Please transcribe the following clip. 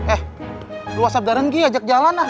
eh whatsapp darren lagi ajak jalan ah